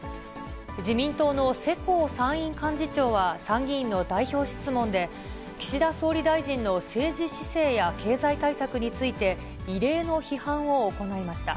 自民党の世耕参院幹事長は、参議院の代表質問で、岸田総理大臣の政治姿勢や経済対策について、異例の批判を行いました。